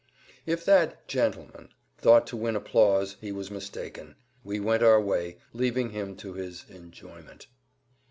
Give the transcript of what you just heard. If that "gentleman" thought to win applause he was mistaken. We went our way, leaving him to his "enjoyment."